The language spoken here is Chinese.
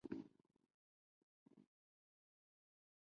男子女子